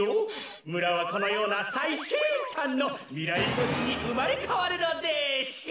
むらはこのようなさいシェンたんのみらいとしにうまれかわるのデシュ。